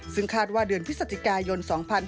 ซึ่งคาดว่าเดือนพฤศจิกายน๒๕๕๙